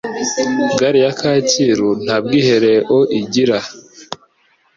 gare ya kacyiru ntabwihereo igira